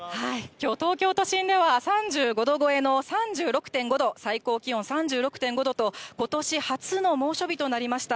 きょう、東京都心では３５度超えの３６．５度、最高気温３６．５度と、ことし初の猛暑日となりました。